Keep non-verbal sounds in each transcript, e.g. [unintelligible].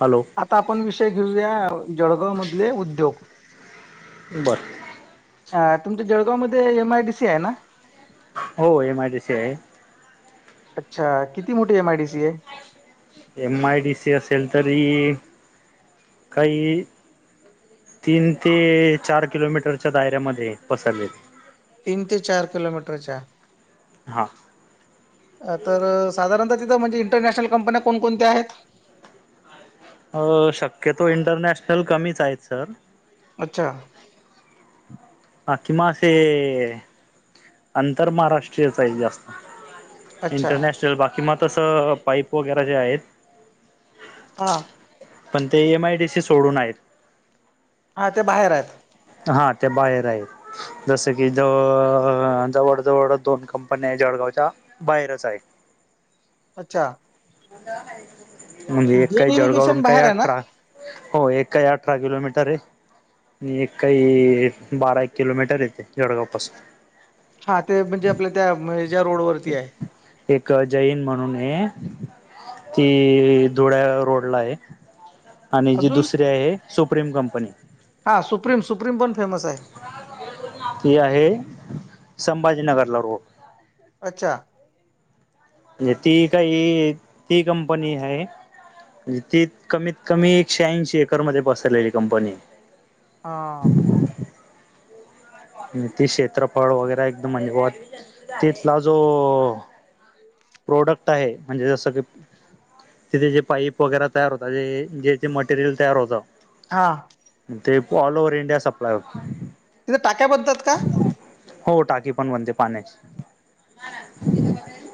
Hello आता आपण विषय घेऊया जळगाव मधले उद्योग, बरं, तुमच्या जळगाव मध्ये एमआयडीसी आहे ना? हो, एमआयडीसी आहे. अच्छा, किती मोठी एमआयडीसी आहे? एमआयडीसी असेल तरी काही, तीन ते चार किलोमीटरच्या दायऱ्यामध्ये पसरलेत. तीन ते चार किलोमीटरच्या, हा, अ तर साधारणतः तिथं म्हणजे इंटरनॅशनल कंपन्या कोणकोणत्या आहेत? अ शक्यतो इंटरनॅशनल कमीच आहेत सर. अच्छा, हा किंवा असे आंतर महाराष्ट्रीयच आहे जास्त. अच्छा इंटरनॅशनल बाकी मगं तसं पाईप वगैरे जे आहेत. हा. पण ते एमआयडीसी सोडून आहेत. हा ते बाहेर आहेत. हा ते बाहेर आहेत जसं की ज जवळ जवळ दोन कंपन्या आहे. जळ गावच्या बाहेरच आहे. अच्छा, म्हणजे एक जेन काय इरिगेशन जळगावरून काय बाहेर आहे ना? अठरा हो, एक काही अठरा किलोमीटर आहे. म एक काही बारा एक किलोमीटर येते जळगावपसून हा ते म्हणजे आपल्या त्या ज्या रोड एक जैन म्हणून ती धुळ्या रोड ला आहे आणि जी अजून दुसरी आहे सुप्र्रीम कंपनी हा सुप्रीम सुप्रीम बन ते आहे. संभाजीनगरला रोड अच्छा, म्हणजे ती काही ती कंपनी आहे. म्हणजे ती कमीत कमी एकशे ऐंशी एकरमध्ये पसरलेली कंपनी आहे. हा, आणि ते क्षेत्रफळ वगैरे एकदम म्हणजे तिथला जो प्रोडक्ट आहे म्हणजे जसं की, तिथे जे पाईप वगैरे तयार होता. जे जेथे मटेरियल तयार होत. हा, ऑल ओवर इंडिया सप्लाय होते. तिथे टाक्या बनतात का? हो टाकी पण बनते पाण्याची.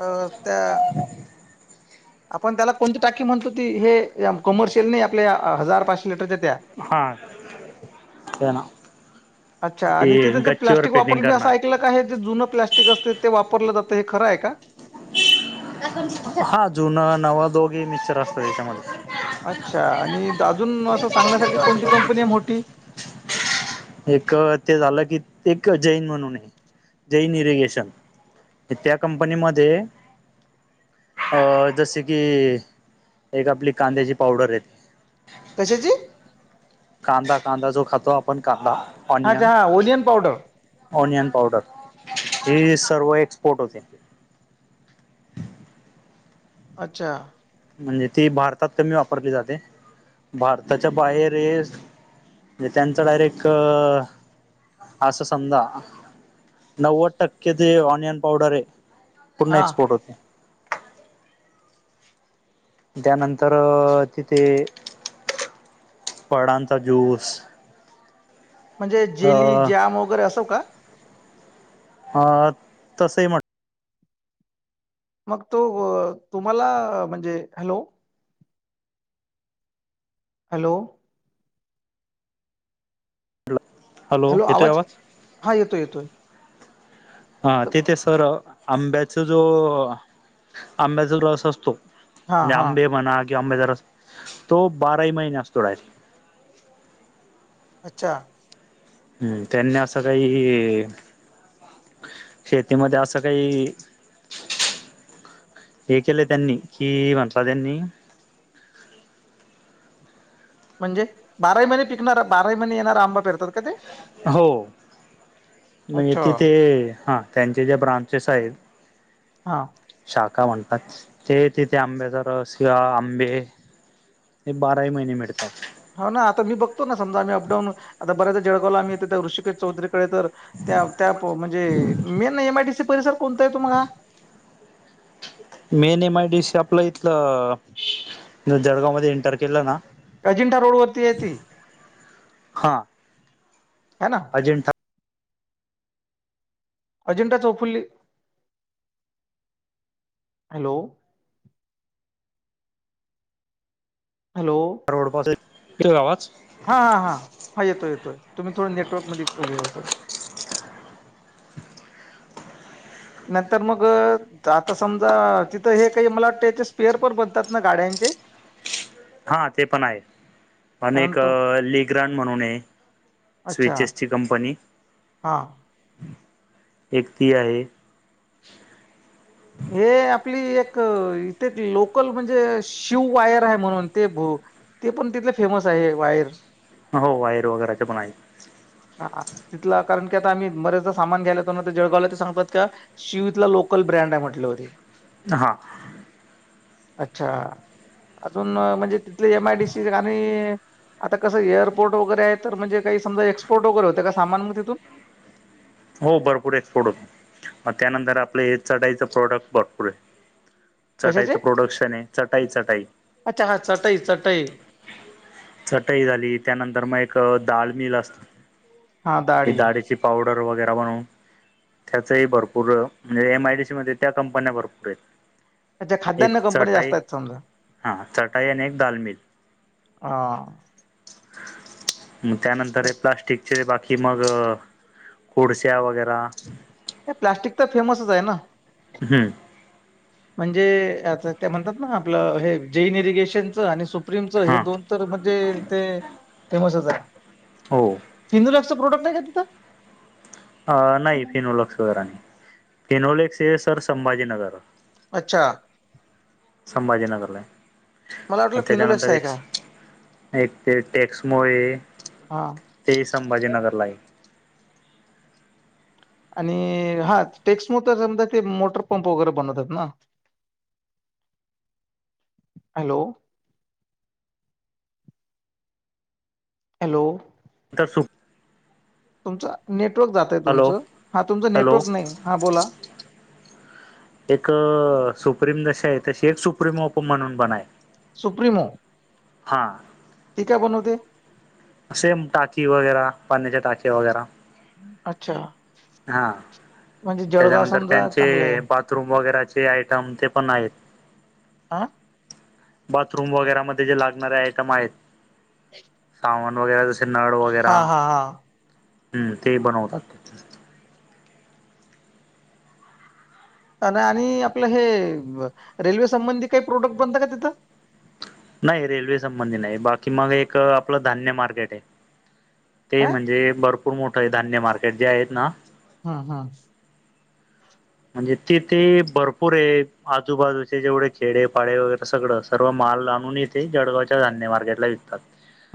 अ त्या आपण त्याला कोणती टाकी म्हणतो ती हे कमर्शियल नाही आपल्या हजार लिटरच्या त्या हा ये ना अच्छा ते आणि तिथं जे गच्चीवर प्लस्टिक वापर पेंटिंग मी अस करणारे ऐकलं का आहे जे जुनं प्लस्टिक असते ते वापरलं जात हे खरं आहे का हा जुनं नव दोघे मिक्चर असतो याच्यामध्ये अच्छा आणि अजून असं सांगण्यासारखी कोणती कंपनी आहे मोठी एक ते झालं की एक जैन म्हणून आहे जैन इरिगेशन त्या कंपनी मध्ये अ जसे की एक आपली कांद्याची पावडर येते कशाची कांदा कांदा जो खातो आपण कांदा अच्छ हा ओनियन पावडर ओनियन पावडर हे सर्व एक्सपोर्ट होते [inaudible] अच्छा म्हणजे ती भारतात कमी वापरली जाते भारताच्या बाहेर म्हणजे त्यांचा डायरेक्ट अ असं समजा नव्वद टक्के ते ऑनियन पावडर आहे पुूर्ण हा एक्सपोर्ट होते त्यानंतर तिथे पळांचा जूस म्हणजे जेली जॅम वगैरे असो का अ तसही म्हट मग तो तुम्हाला म्हणजे हॅलो हॅलो हॅलो आवाज हा येतोय येतोय हा त- तेथे सर आंब्याचा जो आंब्याचा रस असतो हा हा लांबे बनाक कि आंबेदरा तो बाराही महिने असतोडायरी अच्छा हम्म त्यांनी असं काही शेतीमध्ये असं काही.. हे केले त्यांनी कि म्हटला त्यांनी... म्हणजे बाराही महिने पिकणारा बाराही महिने येणारा आंबा फिरतात का ते... हो... म्हणजे अच्छा तिथे हा त्यांचे ज्या ब्रांचेस आहेत. हा... का म्हणतात ते तिथे आंब्या जर शिवा आंबे हे बारा महिने मिळते हा ना आता मी बघतो ना समज आम्ही अपडाऊन आता बऱ्याच जळगावलाम्ही येत त्या ऋषिकेश चौरी तेत्या त्या म्हंजे main M I D C परिसर कोणता आहे तुम्हाला मेन एम आयडी सी आपलं इथलं जळगाव मध्ये एंटर केलं ना अजिंठा रोड वरती आहे ती है ना आजीनंठा अजिंठा चौफुल्ली हॅलो हॅलो फिर आवाज हा हा हा हा येतो येतोय तुम्ही थोडं नेटवर्क मे होत्या... नंतर मग आता समजा तिथं हे काही मला वाटतं याचे स्पेअर पण बनतात ना गाड्यांचे... [unintelligible] हा ते पण आहे अ कारण एक तो लीग रनड म्हणून आहे... अच्छा स्विचेसची कंपनी.. हा ही ती आहे. हे आप... आपली एकथे लोकल म्हणजे शिव वायर आहे म्हणून ते पणथ.. फेमस आहे वायर... हो वायर वगैरेचे पण आहे.. हा तिथला कारण की आता आम्ही बरेचदा सामान घ्यायलात ते जळगावला ते सांगतात का शिव इथला लोकल.. ब्रँड म्हटलं हो.. हा अच्छा अजून म्हणजे तिथले एमआयडीसी आणि... आता कसं एअरपोर्ट वगैरे आहे तर म्हणजे काही समजा एक्सपोर्ट वगैरे होत का सामान मग तिथून... हो भरपूर एक्सपोर्ट होत... मग त्यानंतर आपलं हे चढाईचं प्रोडक्ट भरपूर आहे.. चटाईच कशाचे प्रोडक्शन आहे चटाई चटाई... अच्छा हा चटई चटई चटई झाली त्यानंतर मग एक डाळ मिल असत हा ह डाळी डाळीची पावडर.. ऑर्डर वगैरे म्हणू... त्याचही भरपूर म्हणजे एमआयडीसी मध्ये त्या कंपन्या भरपूर आहेत.. अच्छा एक खाद्यान्न कंपनी चटाई जास्त आहेत समजा हा चटाई आणि एक दालमील ह... त्यानंतर हे प्लास्टिकचे बाकी मग कोडस्या वगैरा... प्लास्टिक तर फेमसच आहे ना... हम्म... म्हणजे आता म्हणतात ना आपलं हे जैन इरिगेशनच आणि... प्रेमच हे हा दोन तर म्हणजे ते फेमसच हो आहे... प्रोडक्ट आहे का तिथ... अ नाही फिनोलक्स वगैरे नाही फिनोलेक्स हे सर संभाजीनगर.... अच्छा... संभाजीनगरला... मला वाटलं आणि फिनोलेक्स त्याच्यानंतर आहे एक का? एक ते टॅक्समुळे... हा. ते संभाजीनगर ला आहे. आणि हा टेक्समो तर समजा ते मोटरपंप वगैरे बनवतात ना. हॅलो. हॅलो. तर सुब तुमचं नेटवर्क जातय तुमचं हा तुमचं हॅलो नेटवर्क नाही हा बोला. एक सुप्रीम जशी आहे तशी एक सुप्रीमप म्हणून बणाय.. सुप्रिमो... हा... ती काय बनवते... सेम टाकी वगैरे पाण्याच्या टाक वगैरे... अच्छा... हा म्हणजे जळगाव त्याच्यानंतर समजा त्यांचे चांगले आहे. बाथरूम वगैरेचे... रमते पण आहेत.. आ... बाथरूम वगैरेमध्ये जे लागणारे आयटम आहेत.. ते... शवण वगरे जसे नळ वगैरा ते बनवतात आणि आपलं हे रेल्वे संबंधी काही प्रोडक्ट बनत का तिथं नाही रेल्वे संबंधी नाही बाकी मग एक आपलं धान्य मार्केट आहे. ते काय? म्हणजे भरपूर मोठं धान्य मार्केट जे आहेत ना हम् हम्. म्हणजे तिथे भरपूर आहे आजूबाजूचे जेवढे खेडेपाडे वगैरे सगळं सर्व मा धान्य आणून जळगावच्या धान्य मार्केटला विकतात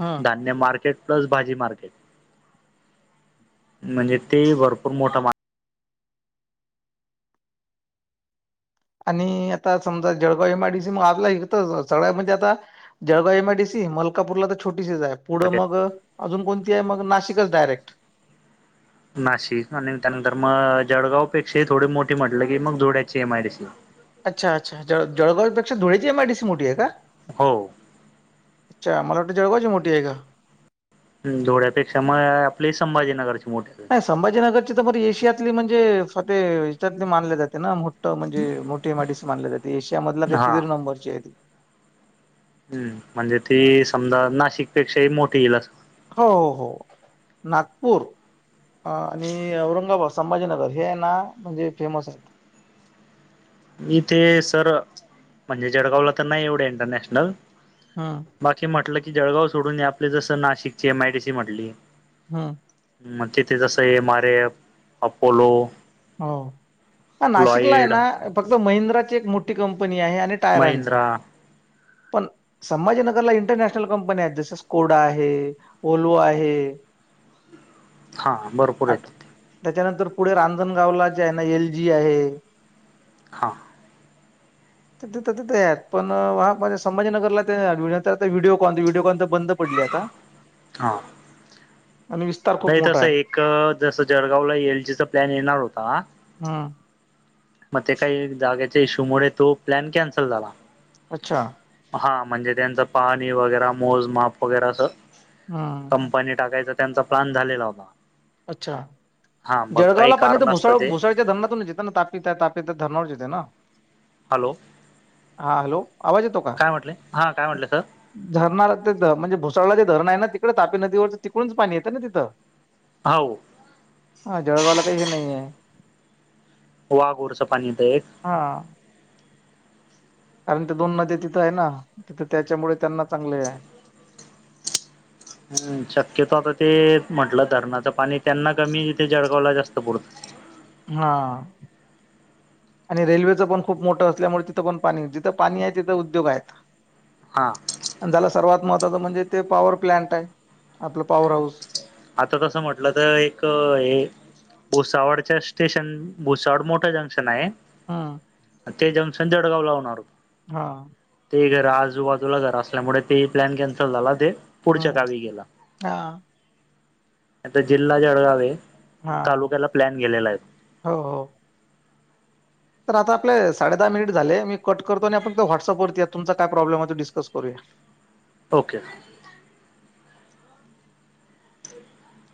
हं धान्य मार्केट प्लस भाजी मार्केट म्हणजे ते भरपूर मोठा मार्केट. आणि आता समजा जळगाव एमआयडीसी मग आपला सगळ्या म्हणजे आता जळगाव एमआयडीसी मलकापूरला तर छोटी पुढ मार्केट मग अजून कोणती आहे मग नाशिकच डायरेक्ट नाशिक आणि त्यानंतर मग जळगावपेक्षाही थोडी मोठी म्हटलं की मग धुळ्याची एमआयडीसी. अच्छा अच्छा जळ जळगावपेक्षा धुळेची एमआयडीसी मोठी आहे का? हो. अच्छा मला वाटतं जळगावाची मोठी आहे का? धोळ्यापेक्षा मग आपली संभाजीनगरची. मोठी नाही संभाजीनगरची तर बर एशियातली म्हणजे येच्यातली मानले जाते ना मोठ म्हणजे मोठी एम आय डीसी माानले जाते ना एशिया मधली कीतितरी नंबरची आहे ती. हमम म्हणजे ती समजा नाशिकपेक्षाही मोठी येईल अस. हो हो हो नागपूर. अ आणि औरंगाबाद संभाजीनगर हे ना म्हणजे फेमस आहेत. इथे सर म्हणजे जळगावला तर नाही एवढं इंटरनॅशनल हम्म बाकी म्हटलं की जळगाव सोडून आपले जसं नाशिकची एमआयटीसी म्हटली. हमम.. तिथे जसं एम आर एफ अपोलो हो नाशिकला आहे लॉइड ना फक्त महिंद्राची एक मोठी कंप फनी आहे आणि टायरांचा. महिंद्रा पण संभाजीनगरला इंटरनॅशनल कंपनी आहेत जस स्कोडा आहे ओल्वो आहे. [inaudible] हा भरपूरय तेथे. त्यानंतर पुढे रांजणगावला जे आहे ना एल जी आहे. हा. त ति तर तिथेत पण हा. संभाजीनगरला तर व्हिडिओ कॉन व्हडिओ कॉन तर बंद पडली आता. हा आणि विस्तार खूप नाही मोठा तसं आहे. एक जसं जळगावला एल जीचा प्लॅन येणार होता हम्म मग ते काही जागेच्या इश्यूमुळे तो प्लॅन कॅन्सल झाला अच्छा हा म्हणजे त्यांच पाहणी वगैरे मोजमाप वगैरे अस हम्म. कंपनी टाकायचं त्यांचा प्लॅन झालेला होता. अच्छा हा मग काही जळगावला पाणी तर कारण असतं भुसावळ ते भुसावळच्या धरणातूनच येत ताप तापित धरणावरुनच येत ना. हॅलो हा हॅलो. आवाज येतो का काय म्हटले हा काय म्हटले सर धरणाधर म्हणजे भुसाळला जे धरण आहे ना तिकडे तापी नदीवरच तिकडूनच पाणी येतं ना तिथं. हो हा जळगावाला काही हे नाही आहेे. वाघ उरचं पाणी येतं एक. हा कारण ते दोन नद्या तिथं आहे ना तिथं त्याच्यामुळे त्यांना चांगले आहे. [inaudible] हम् शक्यतो आता ते म्हंटलं धरणाचं पाणी त्यांना कमी तथे जळगावला जास्त पुरतं. हा. आणि रेल्वेचं पण खूप मोठं असल्यामुळे तिथं पण पाणी जिथं पाणी आहे तिथं उद्योग आहेत हा आणि झाला सर्वात महत्त्वाच म्हणजे ते पॉवर प्लनट आहे आपलं पॉवर हाऊस आता तसं म्हटलं तर एक हे भुसावळच्या स्टेशन भुसावळ मोठं जंक्शन आहे हा ते जेम संजेवडगाव ला होणार हा ते घर आजूबाजूला घर असल्यामुळे ते प्लॅन कॅन्सल झाला ते पुढच्या हम गावी गेला हा आता जिल््हा जडगावे हा तालुक्याला प्लॅन गेलेला आहे हो हो तर आता आपल्या साडे दहा मिनिट झाले मी कट करतो आणि आपण ते व्हॉट्सअपवरती या तुमचा काय प्रॉब्लेमतो डिस्कस करूया [inaudible] ओके